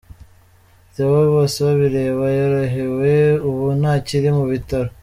Theo Bosebabireba yarorohewe ubu ntakiri mu bitaro.